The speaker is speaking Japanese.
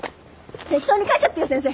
適当に書いちゃってよ先生。